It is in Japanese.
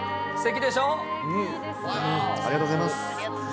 ありがとうございます。